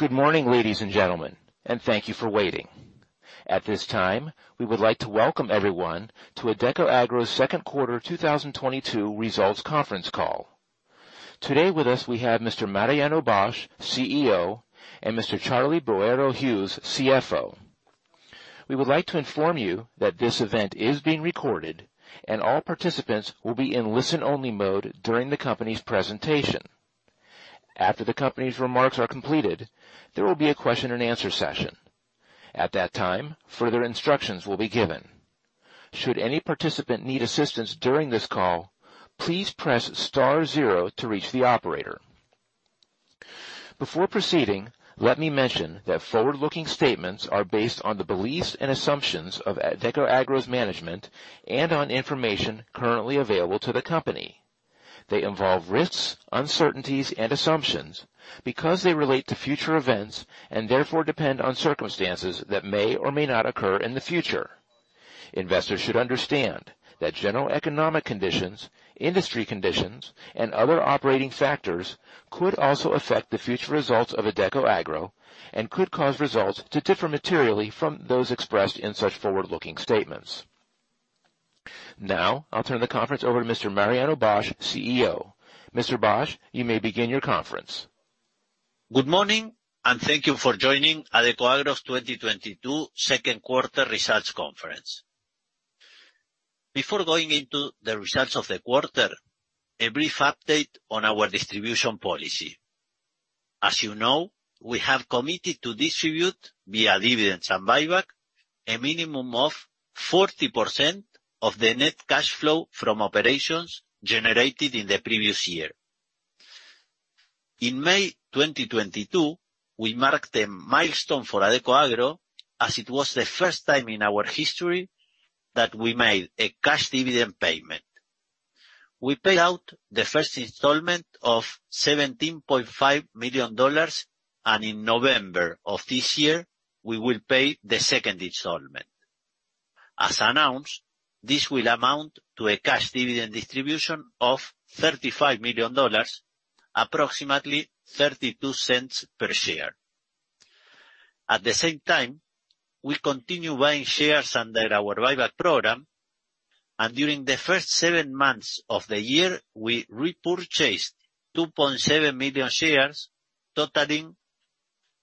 Good morning, ladies and gentlemen, and thank you for waiting. At this time, we would like to welcome everyone to Adecoagro's second quarter 2022 results conference call. Today with us we have Mr. Mariano Bosch, CEO, and Mr. Charlie Boero Hughes, CFO. We would like to inform you that this event is being recorded and all participants will be in listen only mode during the company's presentation. After the company's remarks are completed, there will be a question-and-answer session. At that time, further instructions will be given. Should any participant need assistance during this call, please press star zero to reach the operator. Before proceeding, let me mention that forward-looking statements are based on the beliefs and assumptions of Adecoagro's management and on information currently available to the company. They involve risks, uncertainties and assumptions because they relate to future events and therefore depend on circumstances that may or may not occur in the future. Investors should understand that general economic conditions, industry conditions and other operating factors could also affect the future results of Adecoagro and could cause results to differ materially from those expressed in such forward-looking statements. Now, I'll turn the conference over to Mr. Mariano Bosch, CEO. Mr. Bosch, you may begin your conference. Good morning and thank you for joining Adecoagro's 2022 second quarter results conference. Before going into the results of the quarter, a brief update on our distribution policy. As you know, we have committed to distribute via dividends and buyback a minimum of 40% of the net cash flow from operations generated in the previous year. In May 2022, we marked a milestone for Adecoagro as it was the first time in our history that we made a cash dividend payment. We paid out the first installment of $17.5 million, and in November of this year we will pay the second installment. As announced, this will amount to a cash dividend distribution of $35 million, approximately $0.32 per share. At the same time, we continue buying shares under our buyback program and during the first seven months of the year, we repurchased 2.7 million shares, totaling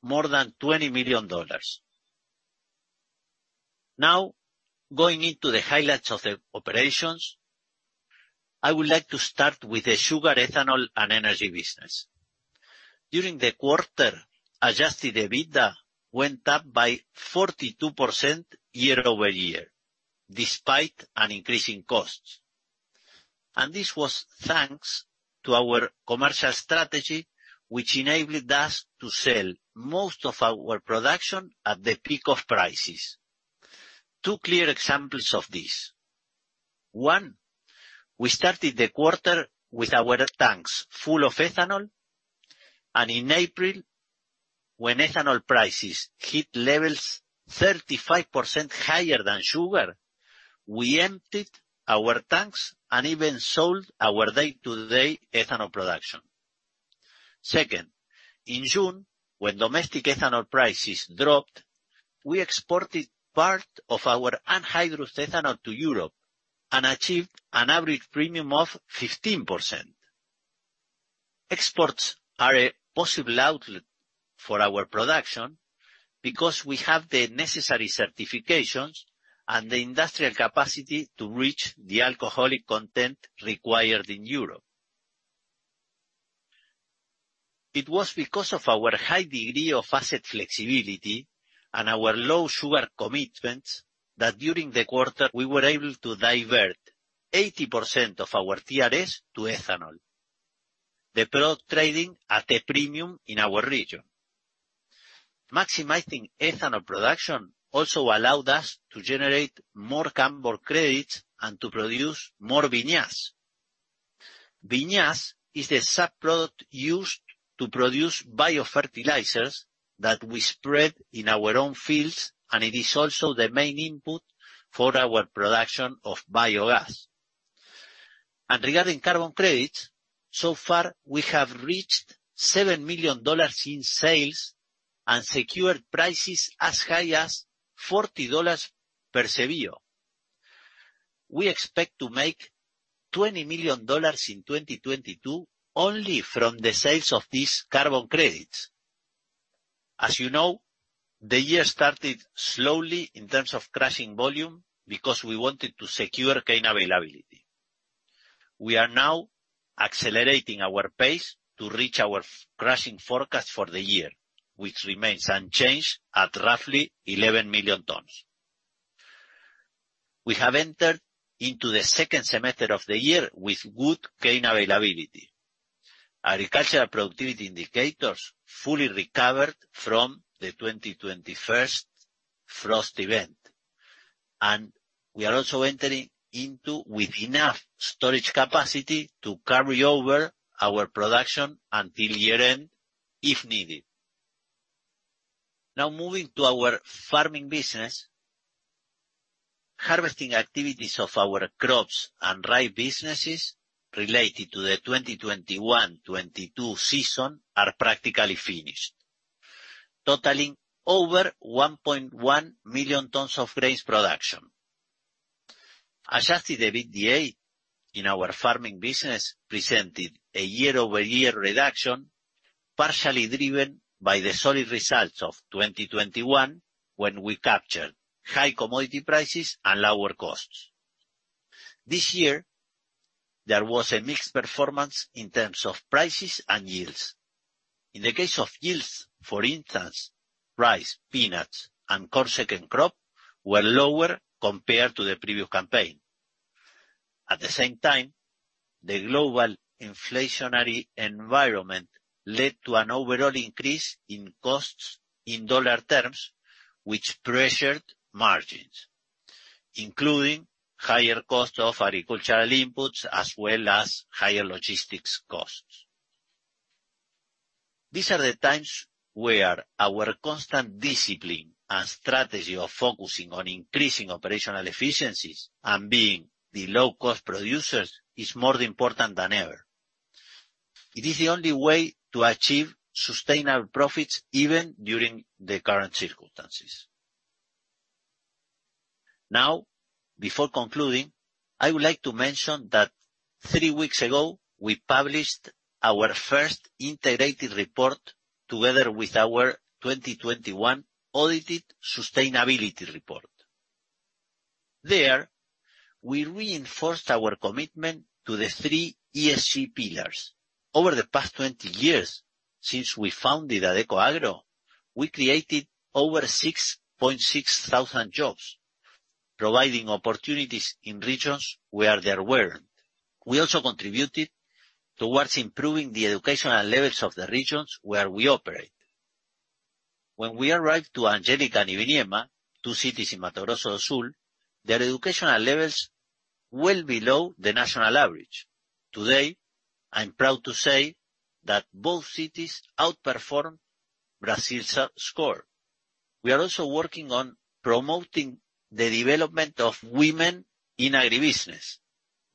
more than $20 million. Now, going into the highlights of the operations, I would like to start with the sugar, ethanol and energy business. During the quarter, Adjusted EBITDA went up by 42% year-over-year, despite an increase in costs. This was thanks to our commercial strategy, which enabled us to sell most of our production at the peak of prices. Two clear examples of this. One, we started the quarter with our tanks full of ethanol, and in April, when ethanol prices hit levels 35% higher than sugar, we emptied our tanks and even sold our day to day ethanol production. Second, in June, when domestic ethanol prices dropped, we exported part of our anhydrous ethanol to Europe and achieved an average premium of 15%. Exports are a possible outlet for our production because we have the necessary certifications and the industrial capacity to reach the alcoholic content required in Europe. It was because of our high degree of asset flexibility and our low sugar commitments that during the quarter we were able to divert 80% of our TRS to ethanol, the product trading at a premium in our region. Maximizing ethanol production also allowed us to generate more carbon credits and to produce more vinasse. Vinasse is the byproduct used to produce biofertilizers that we spread in our own fields, and it is also the main input for our production of biogas. Regarding carbon credits, so far we have reached $7 million in sales and secured prices as high as $40 per CBIO. We expect to make $20 million in 2022 only from the sales of these carbon credits. As you know, the year started slowly in terms of crushing volume because we wanted to secure cane availability. We are now accelerating our pace to reach our crushing forecast for the year, which remains unchanged at roughly 11 million tons. We have entered into the second semester of the year with good cane availability. Agricultural productivity indicators fully recovered from the 2021 frost event, and we are also entering with enough storage capacity to carry over our production until year end if needed. Now moving to our farming business. Harvesting activities of our crops and rice businesses related to the 2021-2022 season are practically finished, totaling over 1.1 million tons of grains production. Adjusted EBITDA in our farming business presented a year-over-year reduction, partially driven by the solid results of 2021, when we captured high commodity prices and lower costs. This year, there was a mixed performance in terms of prices and yields. In the case of yields, for instance, rice, peanuts, and corn second crop were lower compared to the previous campaign. At the same time, the global inflationary environment led to an overall increase in costs in dollar terms, which pressured margins, including higher cost of agricultural inputs as well as higher logistics costs. These are the times where our constant discipline and strategy of focusing on increasing operational efficiencies and being the low-cost producers is more important than ever. It is the only way to achieve sustainable profits, even during the current circumstances. Now, before concluding, I would like to mention that three weeks ago, we published our first integrated report together with our 2021 audited sustainability report. There, we reinforced our commitment to the three ESG pillars. Over the past 20 years, since we founded Adecoagro, we created over 6,600 jobs, providing opportunities in regions where there weren't. We also contributed towards improving the educational levels of the regions where we operate. When we arrived to Angélica and Ivinhema, two cities in Mato Grosso do Sul, their educational levels well below the national average. Today, I'm proud to say that both cities outperform Brazil's score. We are also working on promoting the development of women in agribusiness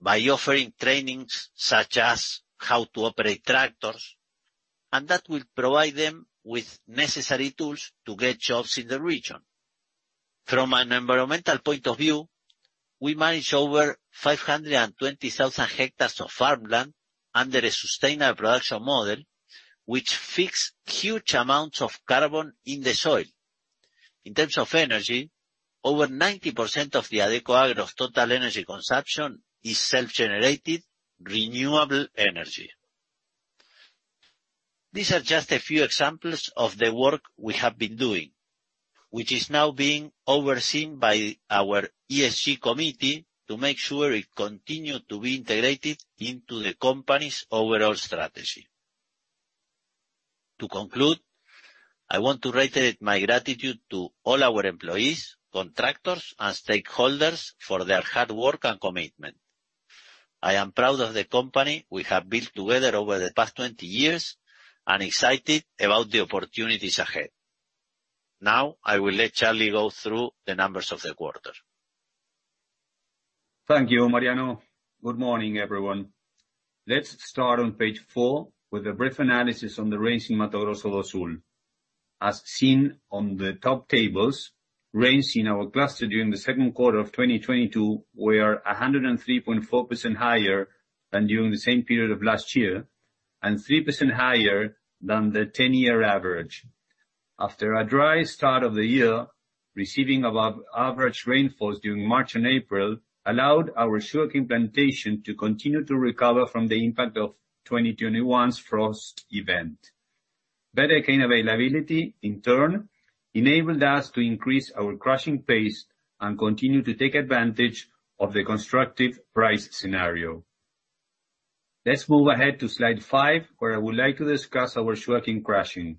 by offering trainings such as how to operate tractors, and that will provide them with necessary tools to get jobs in the region. From an environmental point of view, we manage over 520,000 hectares of farmland under a sustainable production model, which fix huge amounts of carbon in the soil. In terms of energy, over 90% of the Adecoagro's total energy consumption is self-generated renewable energy. These are just a few examples of the work we have been doing, which is now being overseen by our ESG committee to make sure it continue to be integrated into the company's overall strategy. To conclude, I want to reiterate my gratitude to all our employees, contractors and stakeholders for their hard work and commitment. I am proud of the company we have built together over the past 20 years and excited about the opportunities ahead. Now, I will let Charlie go through the numbers of the quarter. Thank you, Mariano. Good morning, everyone. Let's start on page 4 with a brief analysis on the rains in Mato Grosso do Sul. As seen on the top tables, rains in our cluster during the second quarter of 2022 were 103.4% higher than during the same period of last year and 3% higher than the 10-year average. After a dry start of the year, receiving above average rainfalls during March and April allowed our sugarcane plantation to continue to recover from the impact of 2021's frost event. Better cane availability, in turn, enabled us to increase our crushing pace and continue to take advantage of the constructive price scenario. Let's move ahead to slide 5, where I would like to discuss our sugarcane crushing.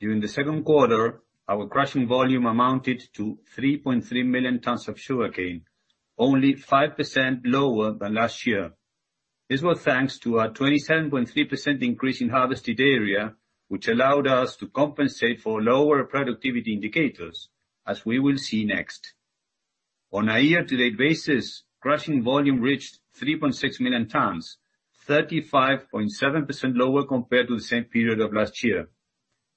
During the second quarter, our crushing volume amounted to 3.3 million tons of sugarcane, only 5% lower than last year. This was thanks to our 27.3% increase in harvested area, which allowed us to compensate for lower productivity indicators, as we will see next. On a year-to-date basis, crushing volume reached 3.6 million tons, 35.7% lower compared to the same period of last year.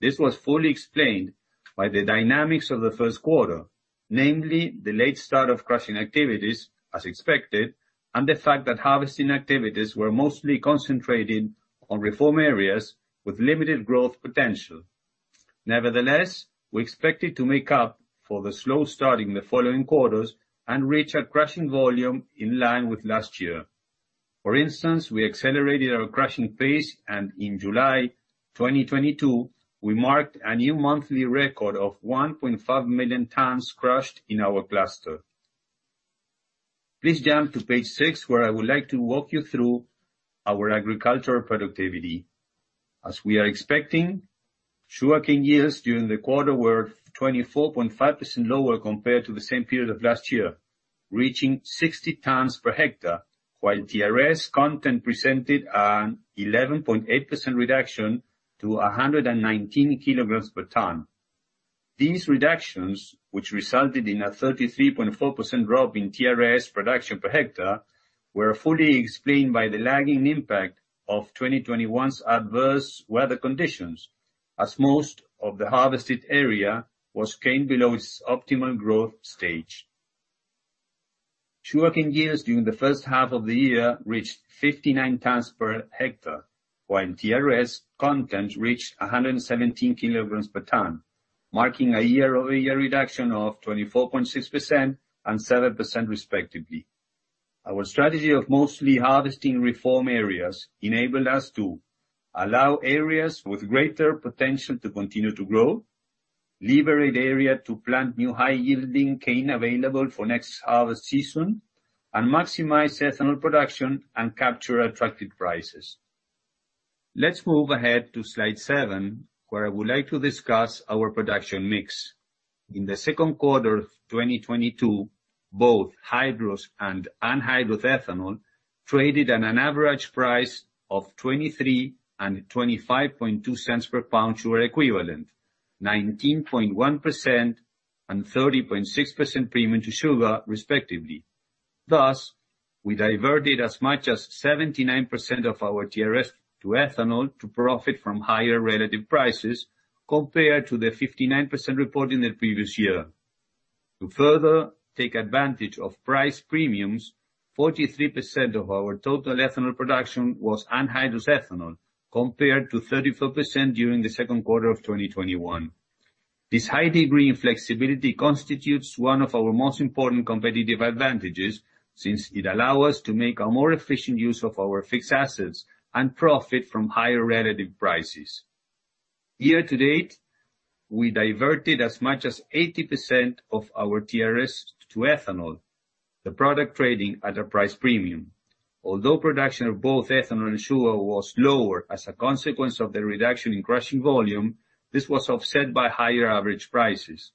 This was fully explained by the dynamics of the first quarter, namely the late start of crushing activities, as expected, and the fact that harvesting activities were mostly concentrated on reform areas with limited growth potential. Nevertheless, we expected to make up for the slow start in the following quarters and reach our crushing volume in line with last year. For instance, we accelerated our crushing pace, and in July 2022, we marked a new monthly record of 1.5 million tons crushed in our cluster. Please jump to page six, where I would like to walk you through our agricultural productivity. As we are expecting, sugarcane yields during the quarter were 24.5% lower compared to the same period of last year, reaching 60 tons per hectare, while TRS content presented an 11.8% reduction to 119 kg/ton. These reductions, which resulted in a 33.4% drop in TRS production per hectare, were fully explained by the lagging impact of 2021's adverse weather conditions, as most of the harvested area was cane below its optimal growth stage. Sugarcane yields during the first half of the year reached 59 tons per hectare, while TRS content reached 117 kg/ton, marking a year-over-year reduction of 24.6% and 7% respectively. Our strategy of mostly harvesting reform areas enabled us to allow areas with greater potential to continue to grow, liberate area to plant new high-yielding cane available for next harvest season, and maximize ethanol production and capture attractive prices. Let's move ahead to slide 7, where I would like to discuss our production mix. In the second quarter of 2022, both hydrous and anhydrous ethanol traded at an average price of $0.23 and $0.252 per pound sugar equivalent, 19.1% and 30.6% premium to sugar respectively. Thus, we diverted as much as 79% of our TRS to ethanol to profit from higher relative prices compared to the 59% reported in the previous year. To further take advantage of price premiums, 43% of our total ethanol production was anhydrous ethanol compared to 34% during the second quarter of 2021. This high degree in flexibility constitutes one of our most important competitive advantages, since it allows us to make a more efficient use of our fixed assets and profit from higher relative prices. Year to date, we diverted as much as 80% of our TRS to ethanol, the product trading at a price premium. Although production of both ethanol and sugar was lower as a consequence of the reduction in crushing volume, this was offset by higher average prices.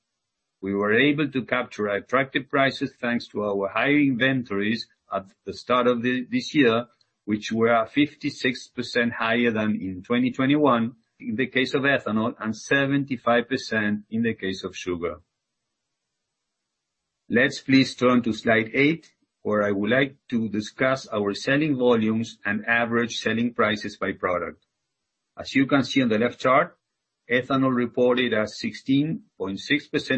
We were able to capture attractive prices thanks to our higher inventories at the start of this year, which were 56% higher than in 2021 in the case of ethanol and 75% in the case of sugar. Let's please turn to slide 8, where I would like to discuss our selling volumes and average selling prices by product. As you can see on the left chart, ethanol reported a 16.6%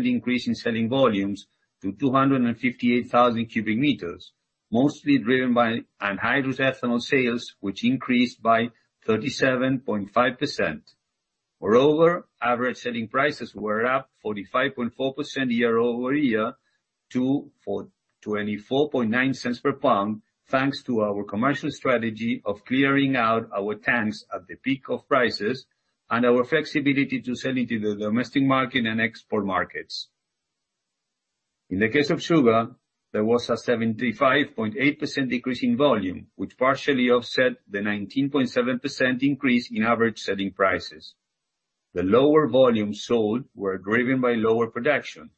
increase in selling volumes to 258,000 m3, mostly driven by anhydrous ethanol sales, which increased by 37.5%. Moreover, average selling prices were up 45.4% year-over-year to $0.249 per pound, thanks to our commercial strategy of clearing out our tanks at the peak of prices and our flexibility to sell into the domestic market and export markets. In the case of sugar, there was a 75.8% decrease in volume, which partially offset the 19.7% increase in average selling prices. The lower volumes sold were driven by lower production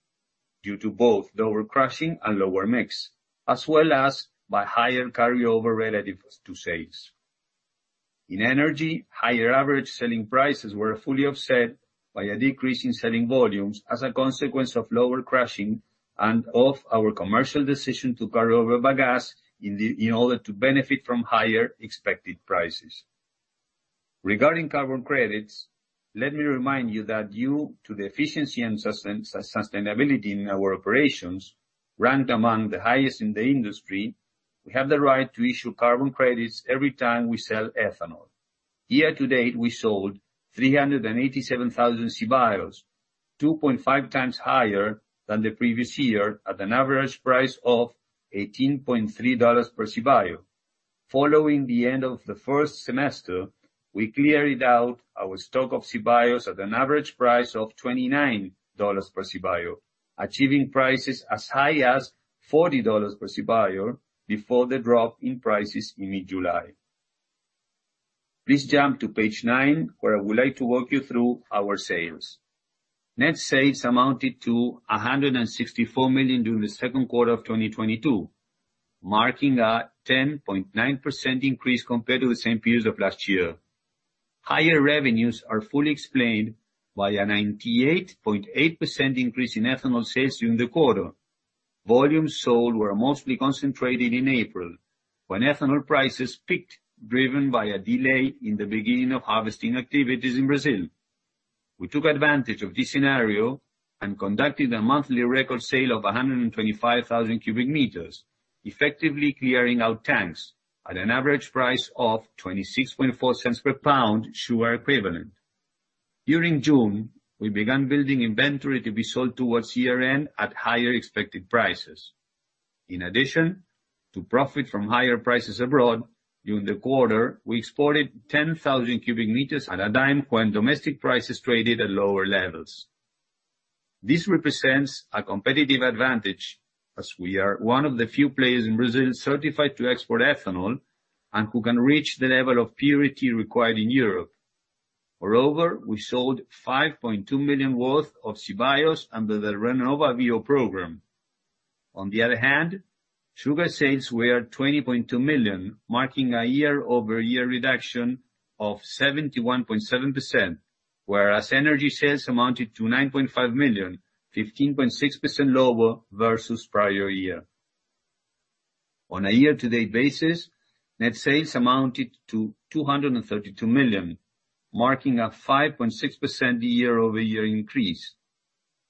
due to both lower crushing and lower mix, as well as by higher carryover relative to sales. In energy, higher average selling prices were fully offset by a decrease in selling volumes as a consequence of lower crushing and of our commercial decision to carry over bagasse in order to benfit from higher expected prices. Regarding carbon credits, let me remind you that due to the efficiency and sustainability in our operations, ranked among the hig hest in the industry, we have the right to issue carbon credits every time we sell ethanol. Year to date, we sold 387,000 CBIOs, 2.5x higher than the previous year, at an average price of $18.3 per CBIO. Following the end of the first semester, we cleared out our stock of CBIOs at an average price of $29 per CBIO, achieving prices as high as $40 per CBIO before the drop in prices in mid-July. Please jump to page nine, where I would like to walk you through our sales. Net sales amounted to $164 million during the second quarter of 2022, marking a 10.9% increase compared to the same period of last year. Higher revenues are fully explained by a 98.8% increase in ethanol sales during the quarter. Volumes sold were mostly concentrated in April, when ethanol prices peaked, driven by a delay in the beginning of harvesting activities in Brazil. We took advantage of this scenario and conducted a monthly record sale of 125,000 m3, effectively clearing out tanks at an average price of $0.264 per pound sugar equivalent. During June, we began building inventory to be sold towards year-end at higher expected prices. In addition, to profit from higher prices abroad, during the quarter, we exported 10,000 m3 at a time when domestic prices traded at lower levels. This represents a competitive advantage as we are one of the few players in Brazil certified to export ethanol and who can reach the level of purity required in Europe. Moreover, we sold $5.2 million worth of CBIOs under the RenovaBio program. On the other hand, sugar sales were $20.2 million, marking a year-over-year reduction of 71.7%. Whereas energy sales amounted to $9.5 million, 15.6% lower versus prior year. On a year-to-date basis, net sales amounted to $232 million, marking a 5.6% year-over-year increase.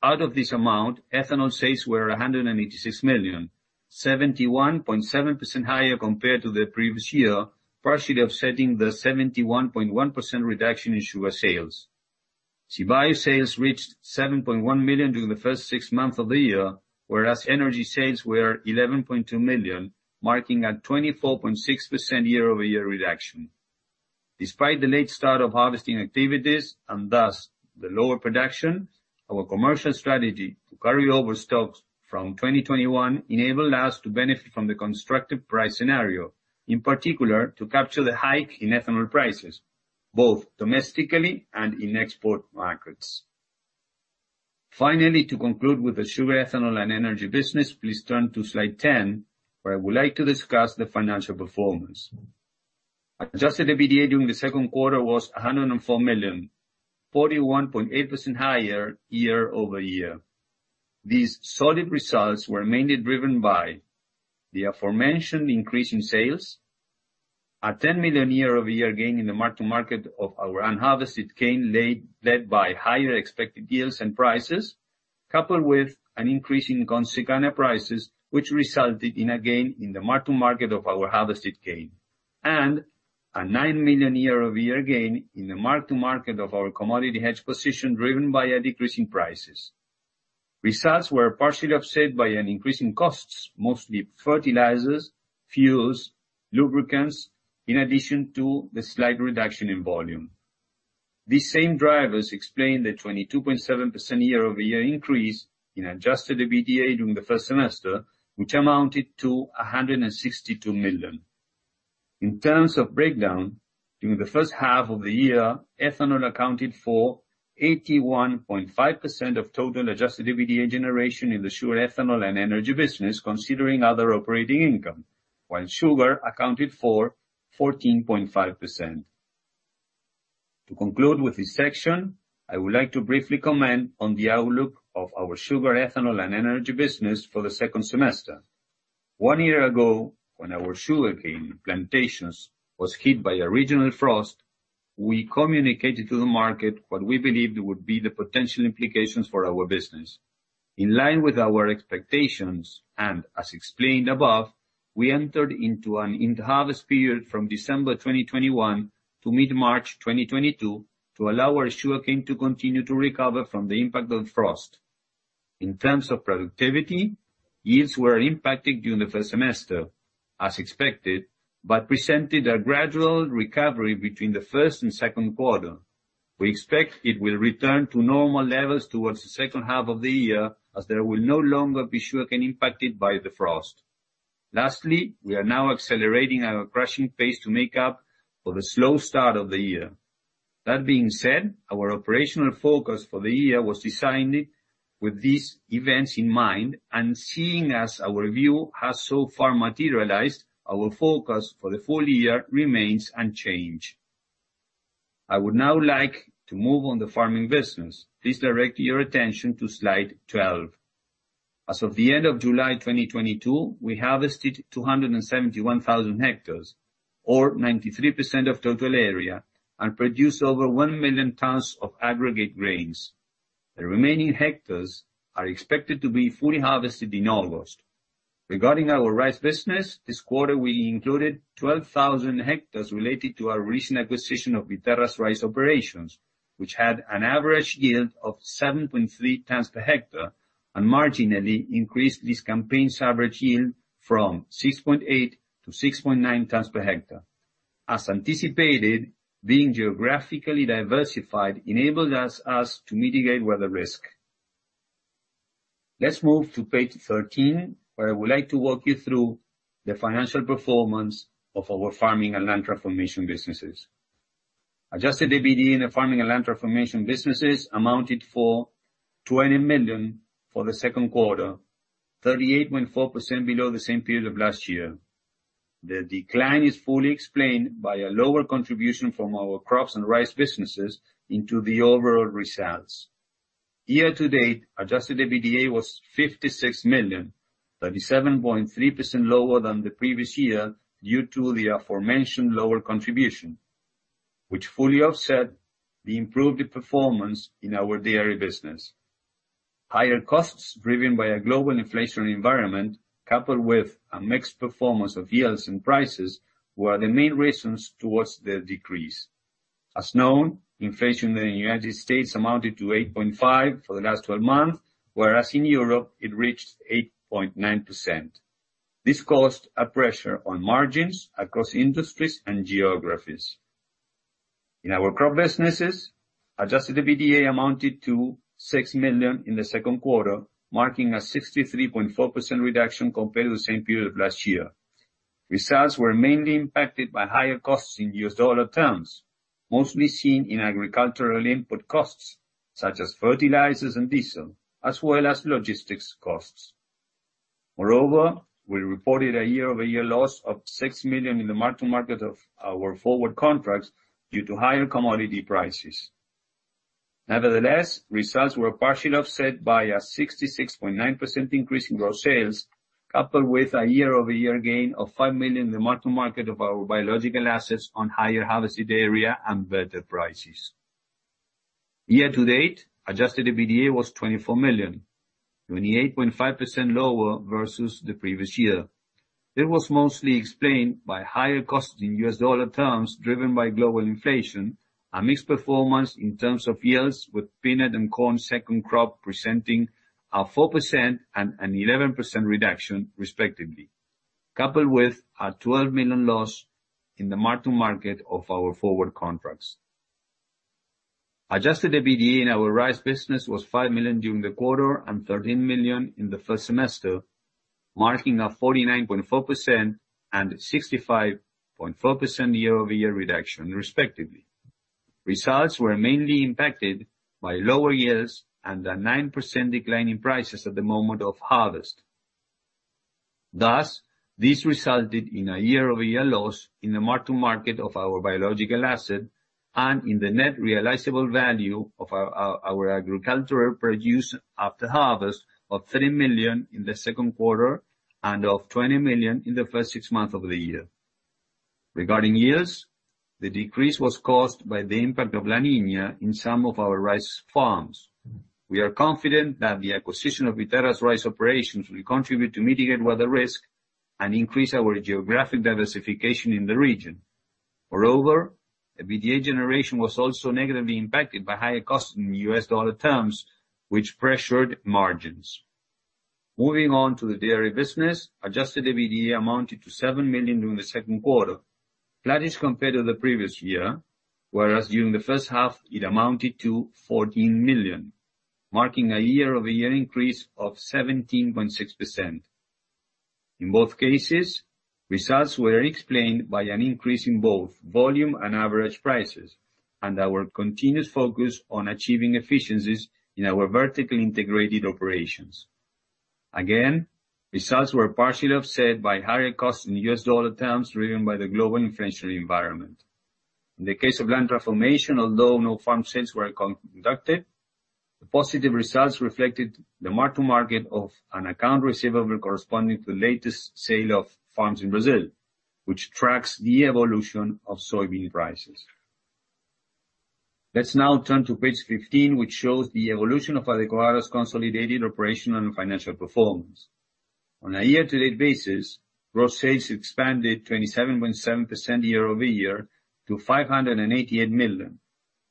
Out of this amount, ethanol sales were $186 million, 71.7% higher compared to the previous year, partially offsetting the 71.1% reduction in sugar sales. CBIO sales reached $7.1 million during the first six months of the year, whereas energy sales were $11.2 million, marking a 24.6% year-over-year reduction. Despite the late start of harvesting activities, and thus the lower production, our commercial strategy to carry over stocks from 2021 enabled us to benefit from the constructive price scenario, in particular, to capture the hike in ethanol prices, both domestically and in export markets. Finally, to conclude with the sugar, ethanol, and energy business, please turn to slide 10, where I would like to discuss the financial performance. Adjusted EBITDA during the second quarter was $104 million, 41.8% higher year-over-year. These solid results were mainly driven by the aforementioned increase in sales, a $10 million year-over-year gain in the mark to market of our unharvested cane, led by higher expected yields and prices, coupled with an increase in Consecana prices, which resulted in a gain in the mark to market of our harvested cane, and a $9 million year-over-year gain in the mark to market of our commodity hedge position driven by a decrease in prices. Results were partially offset by an increase in costs, mostly fertilizers, fuels, lubricants, in addition to the slight reduction in volume. These same drivers explain the 22.7% year-over-year increase in Adjusted EBITDA during the first semester, which amounted to $162 million. In terms of breakdown, during the first half of the year, ethanol accounted for 81.5% of total Adjusted EBITDA generation in the sugar, ethanol, and energy business, considering other operating income, while sugar accounted for 14.5%. To conclude with this section, I would like to briefly comment on the outlook of our sugar, ethanol, and energy business for the second semester. One year ago, when our sugarcane plantations was hit by a regional frost, we communicated to the market what we believed would be the potential implications for our business. In line with our expectations, and as explained above, we entered into an in-harvest period from December 2021 to mid-March 2022 to allow our sugarcane to continue to recover from the impact of frost. In terms of productivity, yields were impacted during the first semester, as expected, but presented a gradual recovery between the first and second quarter. We expect it will return to normal levels towards the second half of the year, as there will no longer be sugarcane impacted by the frost. Lastly, we are now accelerating our crushing pace to make up for the slow start of the year. That being said, our operational focus for the year was designed with these events in mind and seeing as our view has so far materialized, our focus for the full year remains unchanged. I would now like to move on to the farming business. Please direct your attention to slide 12. As of the end of July 2022, we harvested 271,000 hectares or 93% of total area and produced over 1,000,000 tons of aggregate grains. The remaining hectares are expected to be fully harvested in August. Regarding our rice business, this quarter we included 12,000 hectares related to our recent acquisition of Viterra's rice operations, which had an average yield of 7.3 tons per hectare and marginally increased this campaign's average yield from 6.8-6.9 tons per hectare. As anticipated, being geographically diversified enabled us to mitigate weather risk. Let's move to page 13, where I would like to walk you through the financial performance of our farming and land transformation businesses. Adjusted EBITDA in the farming and land transformation businesses amounted to $20 million for the second quarter, 38.4% below the same period of last year. The decline is fully explained by a lower contribution from our crops and rice businesses into the overall results. Year to date, Adjusted EBITDA was $56 million, 37.3% lower than the previous year, due to the aforementioned lower contribution, which fully offset the improved performance in our dairy business. Higher costs driven by a global inflationary environment, coupled with a mixed performance of yields and prices, were the main reasons towards the decrease. As known, inflation in the United States amounted to 8.5% for the last 12 months, whereas in Europe it reached 8.9%. This caused a pressure on margins across industries and geographies. In our crop businesses, Adjusted EBITDA amounted to $6 million in the second quarter, marking a 63.4% reduction compared to the same period of last year. Results were mainly impacted by higher costs in US dollar terms, mostly seen in agricultural input costs, such as fertilizers and diesel, as well as logistics costs. Moreover, we reported a year-over-year loss of $6 million in the mark-to-market of our forward contracts due to higher commodity prices. Nevertheless, results were partially offset by a 66.9% increase in gross sales, coupled with a year-over-year gain of $5 million in the mark-to-market of our biological assets on higher harvested area and better prices. Year-to-date, Adjusted EBITDA was $24 million, 28.5% lower versus the previous year. It was mostly explained by higher costs in US dollar terms driven by global inflation and mixed performance in terms of yields, with peanut and corn second crop presenting a 4% and an 11% reduction, respectively, coupled with a $12 million loss in the mark-to-market of our forward contracts. Adjusted EBITDA in our rice business was $5 million during the quarter and $13 million in the first semester, marking a 49.4% and 65.4% year-over-year reduction, respectively. Results were mainly impacted by lower yields and a 9% decline in prices at the moment of harvest. Thus, this resulted in a year-over-year loss in the mark-to-market of our biological asset and in the net realizable value of our agricultural produce after harvest of $3 million in the second quarter and of $20 million in the first six months of the year. Regarding yields, the decrease was caused by the impact of La Niña in some of our rice farms. We are confident that the acquisition of Viterra's rice operations will contribute to mitigate weather risk and increase our geographic diversification in the region. Moreover, EBITDA generation was also negatively impacted by higher costs in US dollar terms, which pressured margins. Moving on to the dairy business, Adjusted EBITDA amounted to $7 million during the second quarter. That is compared to the previous year, whereas during the first half, it amounted to $14 million, marking a year-over-year increase of 17.6%. In both cases, results were explained by an increase in both volume and average prices and our continuous focus on achieving efficiencies in our vertically integrated operations. Again, results were partially offset by higher costs in US dollar terms driven by the global inflationary environment. In the case of land transformation, although no farm sales were conducted, the positive results reflected the mark-to-market of an account receivable corresponding to the latest sale of farms in Brazil, which tracks the evolution of soybean prices. Let's now turn to page 15, which shows the evolution of Adecoagro's consolidated operational and financial performance. On a year-to-date basis, gross sales expanded 27.7% year-over-year to $588 million,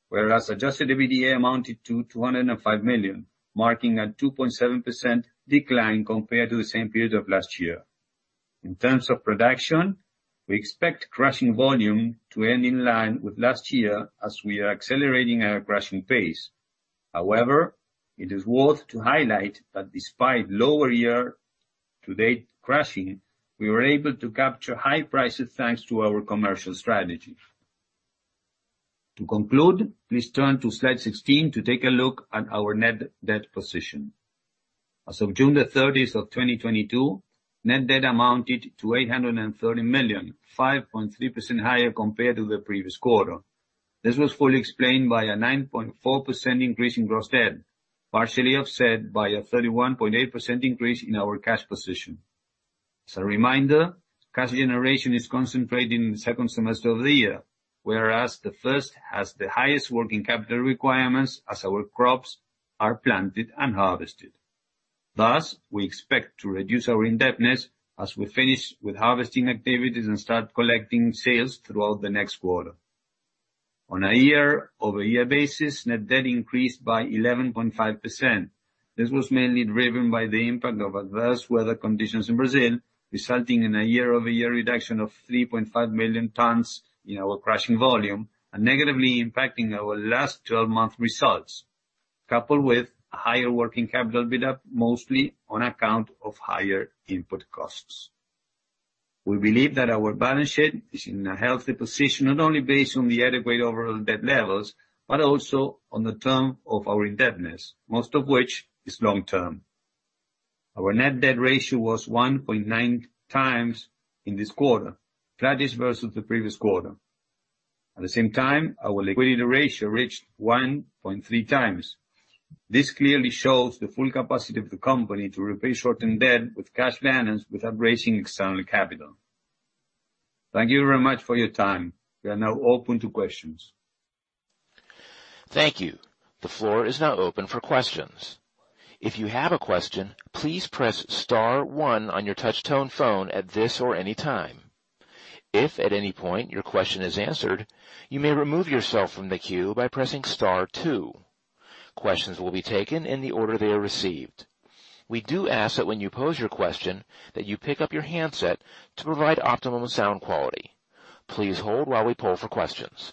whereas Adjusted EBITDA amounted to $205 million, marking a 2.7% decline compared to the same period of last year. In terms of production, we expect crushing volume to end in line with last year as we are accelerating our crushing pace. However, it is worth to highlight that despite lower year-to-date crushing, we were able to capture high prices thanks to our commercial strategy. To conclude, please turn to slide 16 to take a look at our net debt position. As of June 30, 2022, net debt amounted to $830 million, 5.3% higher compared to the previous quarter. This was fully explained by a 9.4% increase in gross debt, partially offset by a 31.8% increase in our cash position. As a reminder, cash generation is concentrated in the second semester of the year, whereas the first has the highest working capital requirements as our crops are planted and harvested. Thus, we expect to reduce our indebtedness as we finish with harvesting activities and start collecting sales throughout the next quarter. On a year-over-year basis, net debt increased by 11.5%. This was mainly driven by the impact of adverse weather conditions in Brazil, resulting in a year-over-year reduction of 3.5 million tons in our crushing volume and negatively impacting our last 12-month results, coupled with a higher working capital build-up, mostly on account of higher input costs. We believe that our balance sheet is in a healthy position, not only based on the adequate overall debt levels, but also on the term of our indebtedness, most of which is long-term. Our net debt ratio was 1.9x in this quarter, flattish versus the previous quarter. At the same time, our liquidity ratio reached 1.3x. This clearly shows the full capacity of the company to repay short-term debt with cash balance without raising external capital. Thank you very much for your time. We are now open to questions. Thank you. The floor is now open for questions. If you have a question, please press star one on your touch tone phone at this or any time. If at any point your question is answered, you may remove yourself from the queue by pressing star two. Questions will be taken in the order they are received. We do ask that when you pose your question that you pick up your handset to provide optimum sound quality. Please hold while we poll for questions.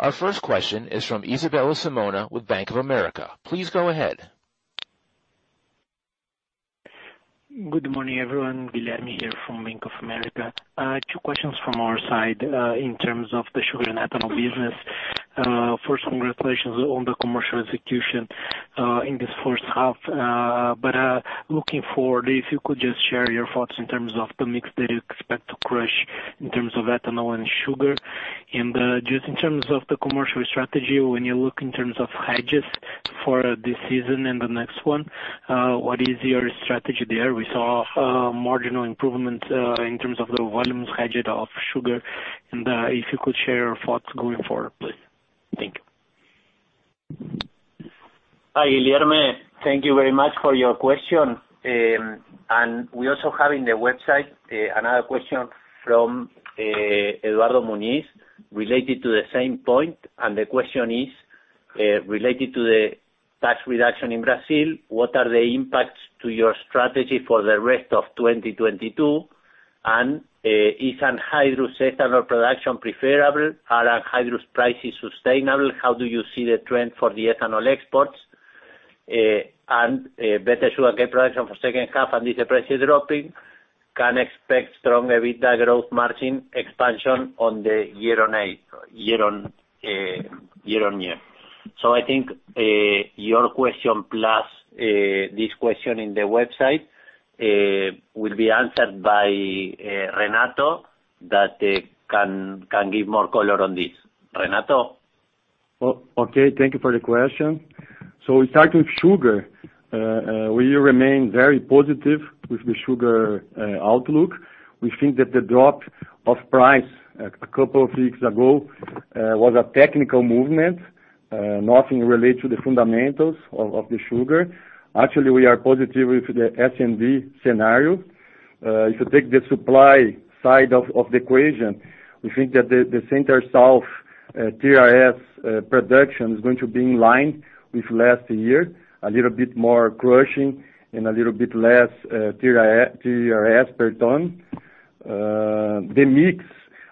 Our first question is from Isabella Simonato with Bank of America. Please go ahead. Good morning, everyone. Guilherme here from Bank of America. Two questions from our side, in terms of the sugar and ethanol business. First, congratulations on the commercial execution in this first half. Looking forward, if you could just share your thoughts in terms of the mix that you expect to crush in terms of ethanol and sugar. Just in terms of the commercial strategy, when you look in terms of hedges for this season and the next one, what is your strategy there? We saw marginal improvement in terms of the volumes hedged of sugar. If you could share your thoughts going forward, please. Thank you. Hi, Guilherme. Thank you very much for your question. We also have in the website another question from Eduardo Muniz related to the same point. The question is related to the tax reduction in Brazil, what are the impacts to your strategy for the rest of 2022? Is anhydrous ethanol production preferable? Are anhydrous prices sustainable? How do you see the trend for the ethanol exports? Better sugar production for second half and is the prices dropping, can expect strong EBITDA growth margin expansion year-on-year. I think your question plus this question in the website will be answered by Renato that can give more color on this. Renato. Okay, thank you for the question. Starting with sugar, we remain very positive with the sugar outlook. We think that the drop of price a couple of weeks ago was a technical movement, nothing related to the fundamentals of the sugar. Actually, we are positive with the sugar scenario. If you take the supply side of the equation, we think that the Center-South TRS production is going to be in line with last year, a little bit more crushing and a little bit less TRS per ton. The mix,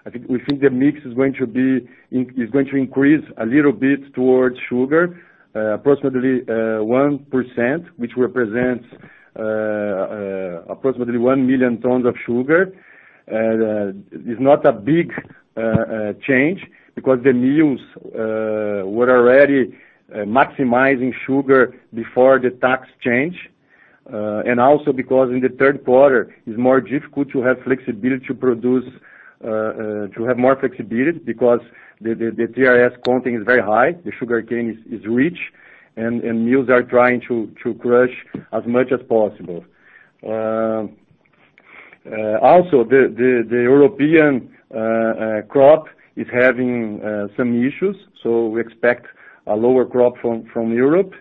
I think, is going to increase a little bit towards sugar, approximately 1%, which represents approximately 1 million tons of sugar. It's not a big change because the mills were already maximizing sugar before the tax change. Also because in the third quarter, it's more difficult to have more flexibility because the TRS content is very high. The sugarcane is rich and mills are trying to crush as much as possible. Also the European crop is having some issues, so we expect a lower crop from Europe.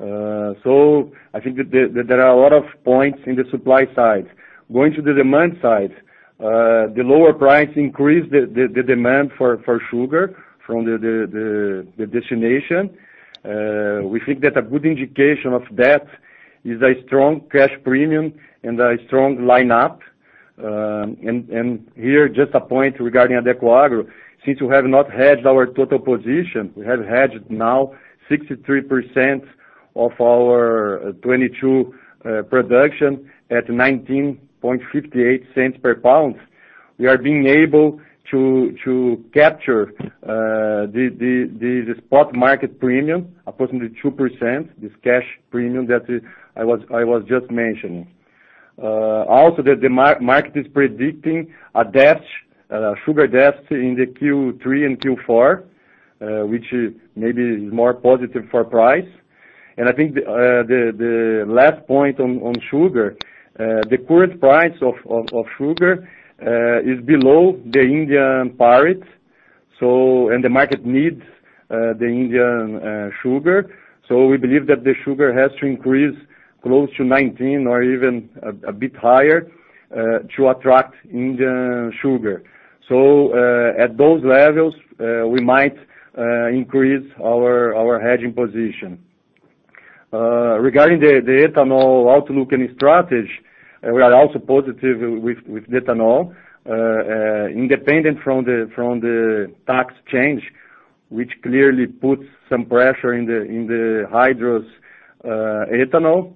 I think that there are a lot of points in the supply side. Going to the demand side, the lower price increase the demand for sugar from the destination. We think that a good indication of that is a strong cash premium and a strong line up. Here, just a point regarding Adecoagro, since we have not hedged our total position, we have hedged now 63% of our 2022 production at $0.1958 per pound. We are being able to capture the spot market premium, approximately 2%, this cash premium that I was just mentioning. Also, the market is predicting a sugar deficit in the Q3 and Q4, which is maybe more positive for price. I think the last point on sugar, the current price of sugar, is below the Indian parities, so the market needs the Indian sugar. We believe that the sugar has to increase close to 19 or even a bit higher to attract Indian sugar. At those levels, we might increase our hedging position. Regarding the ethanol outlook and strategy, we are also positive with the ethanol. Independent from the tax change, which clearly puts some pressure in the hydrous ethanol.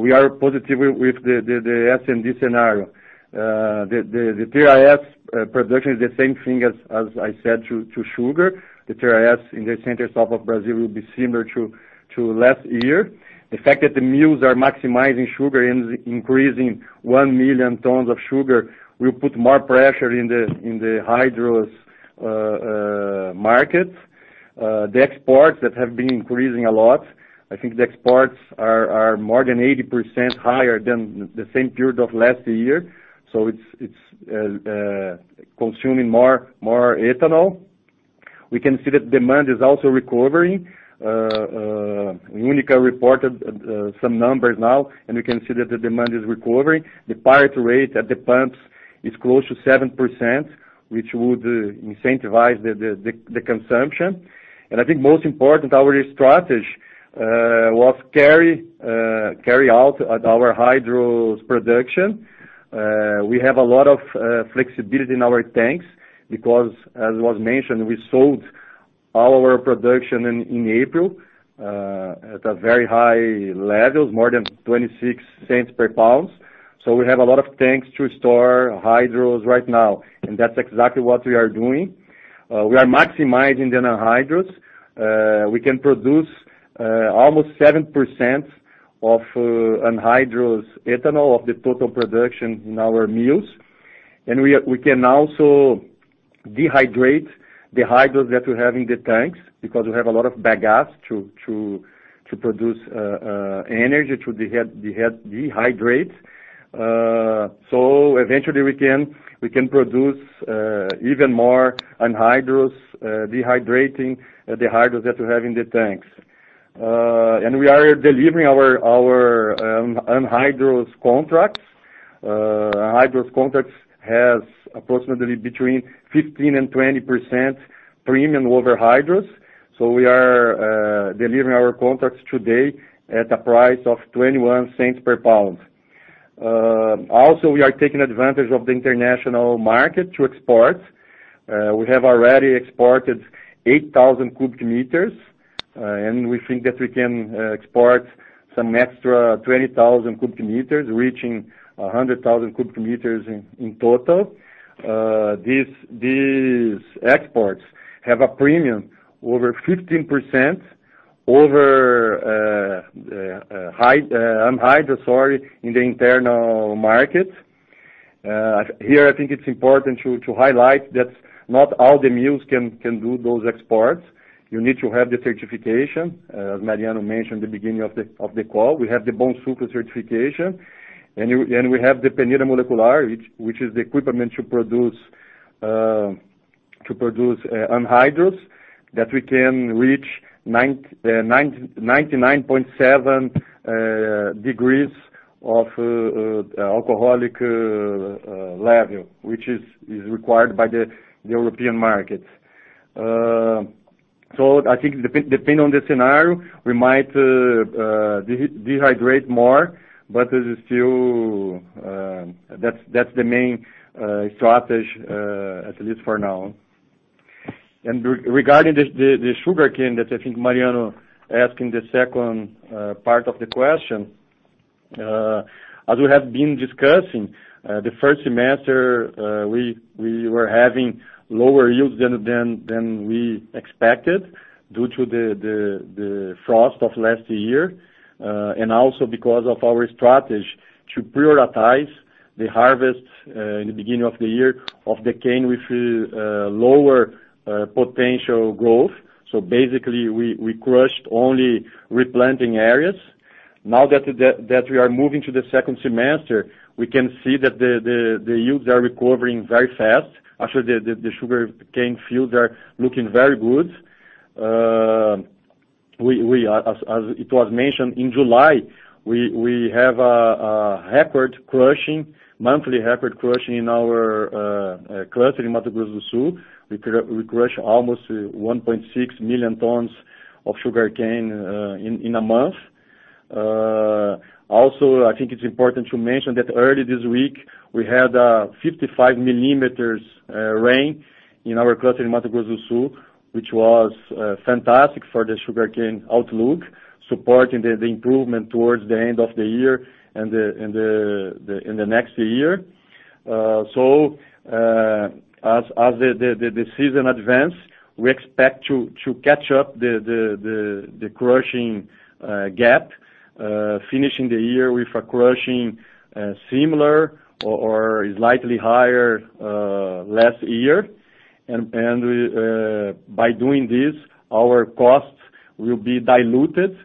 We are positive with the S&D scenario. The TRS production is the same thing as I said to sugar. The TRS in the Center-South of Brazil will be similar to last year. The fact that the mills are maximizing sugar and increasing 1 million tons of sugar will put more pressure in the hydrous market. The exports that have been increasing a lot. I think the exports are more than 80% higher than the same period of last year. It's consuming more ethanol. We can see that demand is also recovering. UNICA reported some numbers now, and we can see that the demand is recovering. The parity rate at the pumps is close to 7%, which would incentivize the consumption. I think most important, our strategy was carryover at our hydrous production. We have a lot of flexibility in our tanks because as was mentioned, we sold our production in April at very high levels, more than $0.26 per pound. We have a lot of tanks to store hydrous right now, and that's exactly what we are doing. We are maximizing the anhydrous. We can produce almost 7% of anhydrous ethanol of the total production in our mills. We can also dehydrate the hydrous that we have in the tanks because we have a lot of bagasse to produce energy to dehydrate. Eventually we can produce even more anhydrous dehydrating the hydrous that we have in the tanks. We are delivering our anhydrous contracts. Anhydrous contracts has approximately between 15%-20% premium over hydrous. We are delivering our contracts today at a price of $0.21 per pound. Also, we are taking advantage of the international market to export. We have already exported 8,000 m3, and we think that we can export some extra 20,000 m3, reaching 100,000 m3 in total. These exports have a premium over 15% over anhydrous in the internal market. Here, I think it's important to highlight that not all the mills can do those exports. You need to have the certification, as Mariano mentioned at the beginning of the call. We have the Bonsucro certification, and we have the peneira molecular, which is the equipment to produce anhydrous that we can reach 99.7 degrees of alcoholic level, which is required by the European market. I think depending on the scenario, we might dehydrate more, but it is still that's the main strategy at least for now. Regarding the sugarcane that I think Mariano asked in the second part of the question, as we have been discussing, the first semester we were having lower yields than we expected due to the frost of last year, and also because of our strategy to prioritize the harvest in the beginning of the year of the cane with lower potential growth. Basically, we crushed only replanting areas. Now that we are moving to the second semester, we can see that the yields are recovering very fast. Actually, the sugarcane fields are looking very good. As it was mentioned in July, we have a monthly record crushing in our cluster in Mato Grosso do Sul. We crush almost 1.6 million tons of sugarcane in a month. Also, I think it's important to mention that early this week, we had 55 millimeters rain in our cluster in Mato Grosso do Sul, which was fantastic for the sugarcane outlook, supporting the improvement towards the end of the year and in the next year. As the season advance, we expect to catch up the crushing gap, finishing the year with a crushing similar or slightly higher last year. By doing this, our costs will be diluted.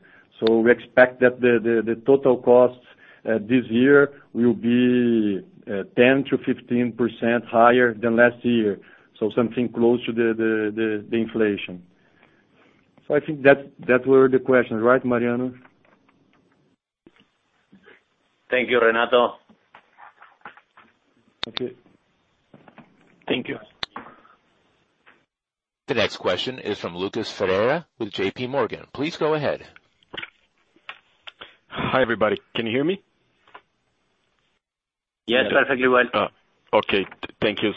We expect that the total costs this year will be 10%-15% higher than last year, something close to the inflation. I think that were the questions, right, Mariano? Thank you, Renato. Thank you. Thank you. The next question is from Lucas Ferreira with JPMorgan. Please go ahead. Hi, everybody. Can you hear me? Yes, perfectly well. Oh, okay. Thank you.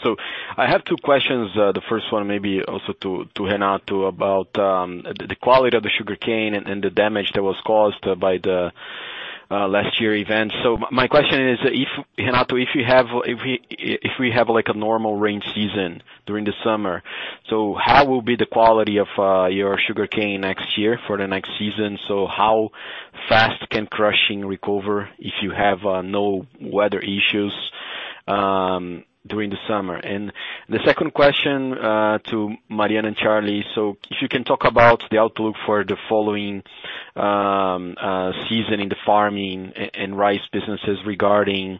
I have two questions. The first one maybe also to Renato about the quality of the sugarcane and the damage that was caused by the last year event. My question is, Renato, if we have like a normal rain season during the summer, how will be the quality of your sugarcane next year for the next season? How fast can crushing recover if you have no weather issues during the summer? The second question to Mariano and Charlie. If you can talk about the outlook for the following season in the farming and rice businesses regarding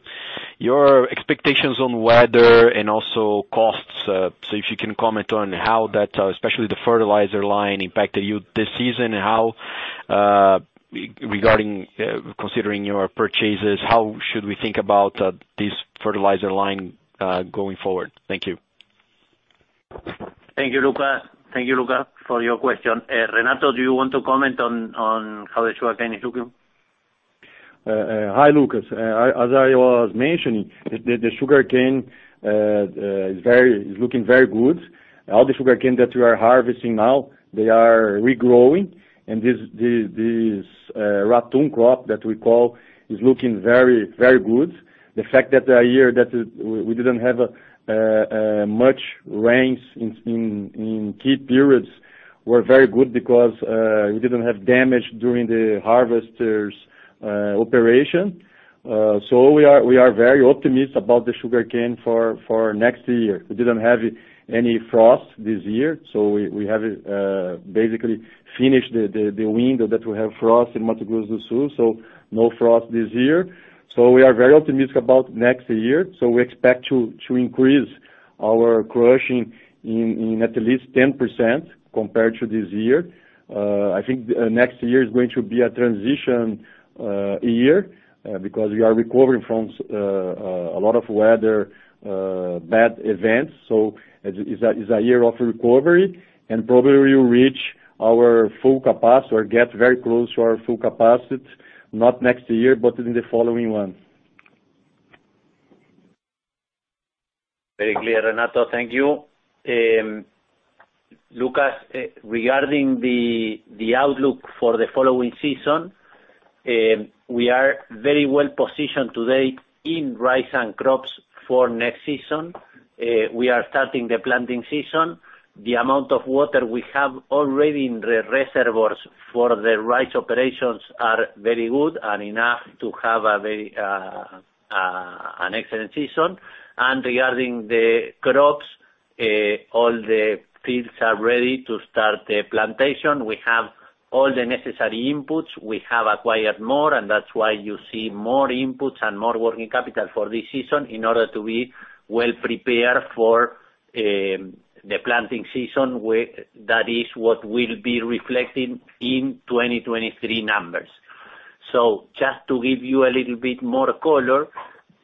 your expectations on weather and also costs. If you can comment on how that, especially the fertilizer line impacted you this season and how, regarding, considering your purchases, how should we think about this fertilizer line going forward? Thank you. Thank you, Lucas, for your question. Renato, do you want to comment on how the sugarcane is looking? Hi, Lucas. As I was mentioning, the sugarcane is looking very good. All the sugarcane that we are harvesting now, they are regrowing. This, the, this, ratoon crop that we call, is looking very, very good. The fact that a year that we didn't have much rains in key periods, were very good because we didn't have damage during the harvester's operation. We are very optimistic about the sugarcane for next year. We didn't have any frost this year, so we have basically finished the window that we have frost in Mato Grosso do Sul, so no frost this year. We are very optimistic about next year. We expect to increase our crushing in at least 10% compared to this year. I think next year is going to be a transition year because we are recovering from a lot of weather bad events. It's a year of recovery and probably will reach our full capacity or get very close to our full capacity, not next year, but in the following one. Very clear, Renato. Thank you. Lucas, regarding the outlook for the following season, we are very well positioned today in rice and crops for next season. We are starting the planting season. The amount of water we have already in the reservoirs for the rice operations are very good and enough to have a very an excellent season. Regarding the crops, all the fields are ready to start the planting. We have all the necessary inputs. We have acquired more, and that's why you see more inputs and more working capital for this season in order to be well prepared for the planting season, that is what will be reflected in 2023 numbers. Just to give you a little bit more color,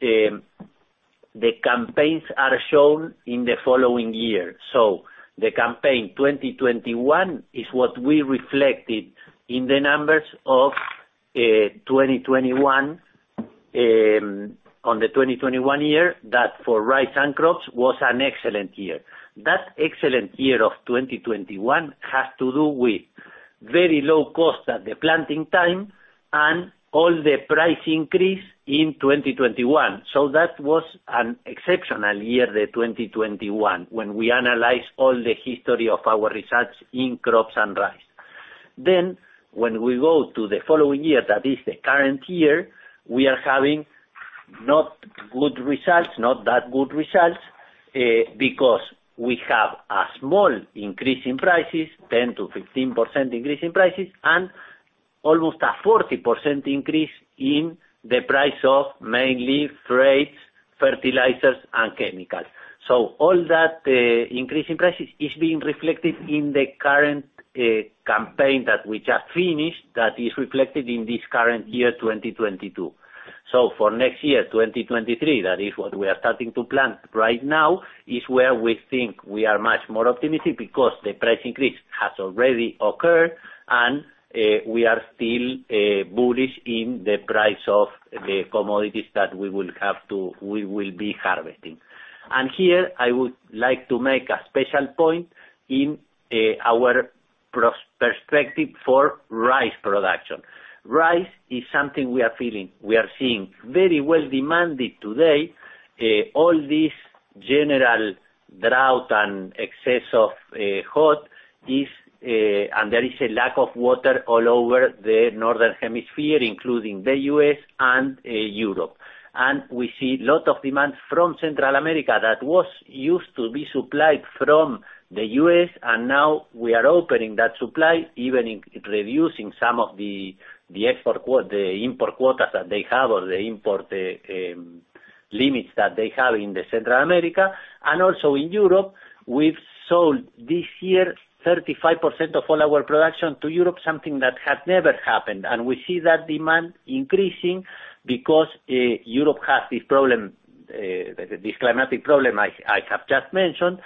the campaigns are shown in the following year. The campaign 2021 is what we reflected in the numbers of 2021, on the 2021 year, that for rice and crops was an excellent year. That excellent year of 2021 has to do with very low cost at the planting time and all the price increase in 2021. That was an exceptional year, the 2021, when we analyze all the history of our results in crops and rice. When we go to the following year, that is the current year, we are having not that good results, because we have a small increase in prices, 10%-15% increase in prices, and almost a 40% increase in the price of mainly freight, fertilizers and chemicals. All that increase in prices is being reflected in the current campaign that we just finished that is reflected in this current year, 2022. For next year, 2023, that is what we are starting to plant right now, is where we think we are much more optimistic because the price increase has already occurred and we are still bullish in the price of the commodities that we will have to, we will be harvesting. Here I would like to make a special point in our perspective for rice production. Rice is something we are feeling, we are seeing very well demanded today. All this general drought and excess of hot is and there is a lack of water all over the northern hemisphere, including the U.S. and Europe. We see a lot of demand from Central America that was used to be supplied from the U.S., and now we are opening that supply, even in reducing some of the export quota, the import quotas that they have or the import limits that they have in Central America. Also in Europe, we've sold this year 35% of all our production to Europe, something that had never happened. We see that demand increasing because Europe has this problem, this climatic problem I have just mentioned.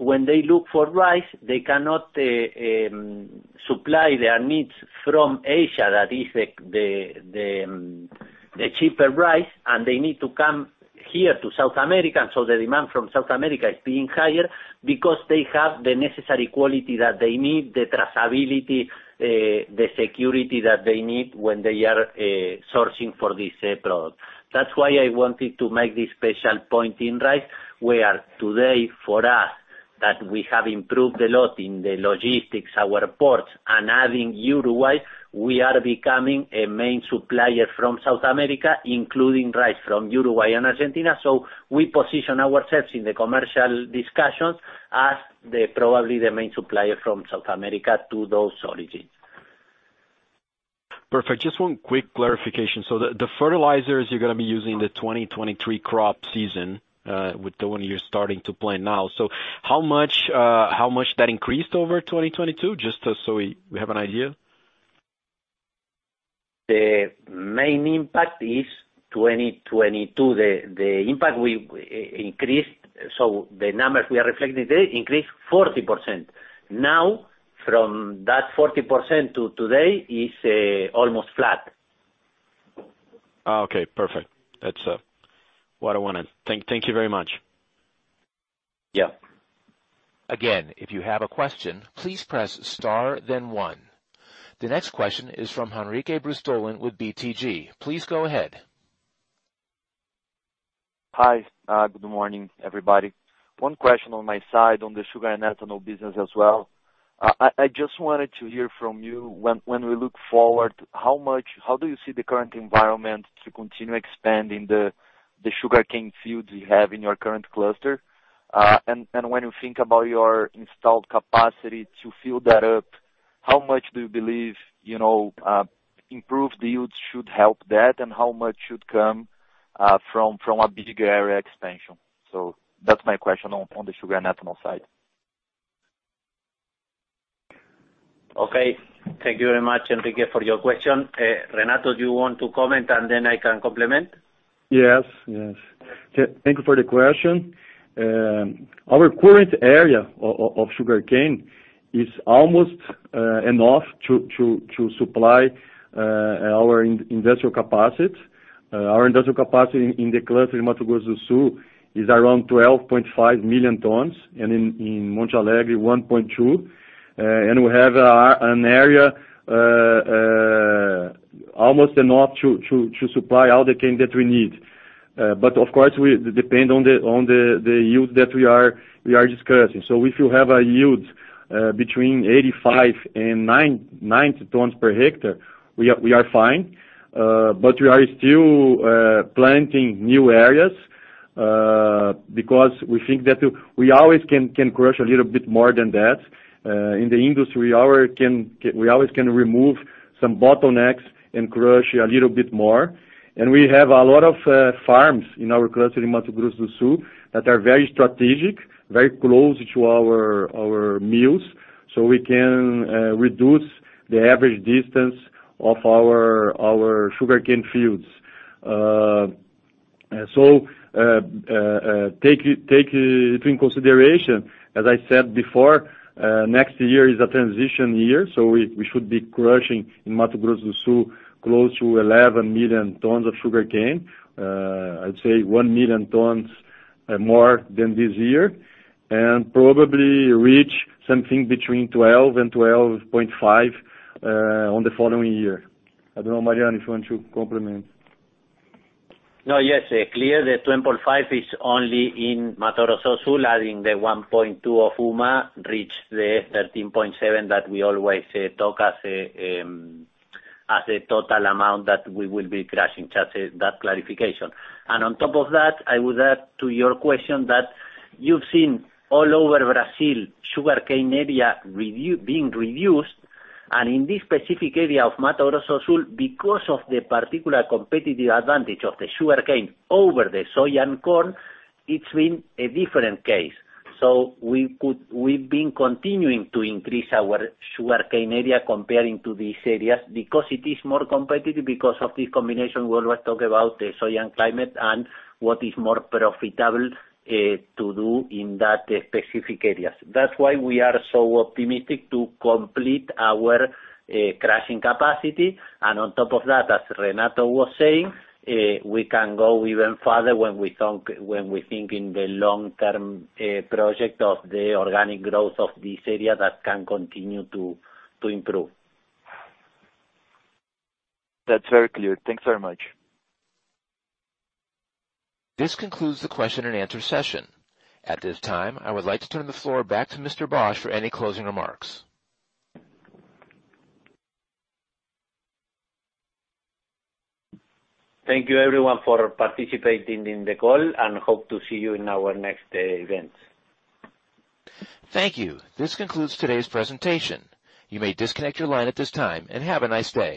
When they look for rice, they cannot supply their needs from Asia, that is the cheaper rice, and they need to come here to South America. The demand from South America is being higher because they have the necessary quality that they need, the traceability, the security that they need when they are sourcing for this product. That's why I wanted to make this special point in rice, where today for us, that we have improved a lot in the logistics, our ports, and adding Uruguay, we are becoming a main supplier from South America, including rice from Uruguay and Argentina. We position ourselves in the commercial discussions as the, probably the main supplier from South America to those origins. Perfect. Just one quick clarification. The fertilizers you're gonna be using the 2023 crop season with the one you're starting to plant now. How much that increased over 2022? Just so we have an idea. The main impact is 2022. The impact we increased, so the numbers we are reflecting today increased 40%. Now, from that 40% to today is almost flat. Okay, perfect. That's what I wanted. Thank you very much. Yeah. Again, if you have a question, please press star then one. The next question is from Henrique Brustolin with BTG. Please go ahead. Hi, good morning, everybody. One question on my side on the sugar and ethanol business as well. I just wanted to hear from you when we look forward, how do you see the current environment to continue expanding the sugarcane fields you have in your current cluster? And when you think about your installed capacity to fill that up, how much do you believe, you know, improved yields should help that, and how much should come from a bigger area expansion? That's my question on the sugar and ethanol side. Okay. Thank you very much, Henrique, for your question. Renato, do you want to comment and then I can complement? Yes, yes. Thank you for the question. Our current area of sugarcane is almost enough to supply our industrial capacity. Our industrial capacity in the cluster in Mato Grosso do Sul is around 12.5 million tons, and in Monte Alegre, 1.2. We have an area almost enough to supply all the cane that we need. Of course, we depend on the yield that we are discussing. If you have a yield between 85 and 90 tons per hectare, we are fine. We are still planting new areas because we think that we always can crush a little bit more than that. In the industry, we always can remove some bottlenecks and crush a little bit more. We have a lot of farms in our cluster in Mato Grosso do Sul that are very strategic, very close to our mills, so we can reduce the average distance of our sugarcane fields. Take it into consideration, as I said before. Next year is a transition year, so we should be crushing in Mato Grosso do Sul close to 11 million tons of sugarcane. I'd say 1 million tons more than this year and probably reach something between 12 and 12.5 on the following year. I don't know, Mariano, if you want to comment. No, yes, clear. The 12.5 is only in Mato Grosso do Sul adding the 1.2 of UMA, reach the 13.7 that we always talk about as a total amount that we will be crushing. Just that clarification. On top of that, I would add to your question that you've seen all over Brazil sugarcane area being reduced. In this specific area of Mato Grosso do Sul, because of the particular competitive advantage of the sugarcane over the soy and corn, it's been a different case. We've been continuing to increase our sugarcane area comparing to these areas because it is more competitive because of the combination we always talk about, the soil and climate and what is more profitable to do in that specific areas. That's why we are so optimistic to complete our crushing capacity. On top of that, as Renato was saying, we can go even further when we think in the long-term project of the organic growth of this area that can continue to improve. That's very clear. Thanks very much. This concludes the question-and-answer session. At this time, I would like to turn the floor back to Mr. Bosch for any closing remarks. Thank you everyone for participating in the call, and hope to see you in our next event. Thank you. This concludes today's presentation. You may disconnect your line at this time, and have a nice day.